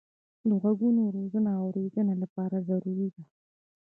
د غوږو روزنه د اورېدنې لپاره ضروري ده.